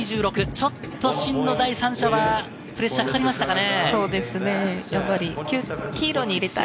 ちょっとシンの第３射はプレッシャーがかかりましたかね。